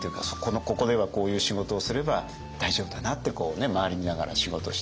ここではこういう仕事をすれば大丈夫だなって周り見ながら仕事してる。